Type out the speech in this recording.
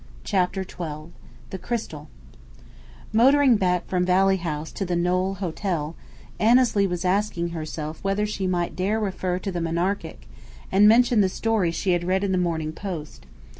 CHAPTER XII THE CRYSTAL Motoring back from Valley House to the Knowle Hotel, Annesley was asking herself whether she might dare refer to the Monarchic, and mention the story she had read In the Morning Post.